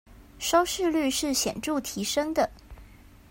收視率是顯著提升的